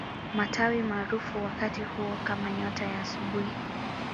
Matawi maarufu wakati huo kama nyota ya asubuhi